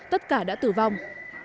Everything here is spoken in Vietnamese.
tất cả đã tử vong